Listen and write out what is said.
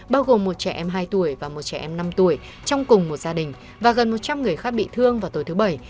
bao gồm một trẻ em hai tuổi và một trẻ em năm tuổi trong cùng một gia đình và gần một trăm linh người khác bị thương vào tối thứ bảy